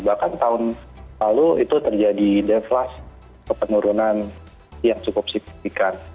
bahkan tahun lalu itu terjadi deflas ke penurunan yang cukup signifikan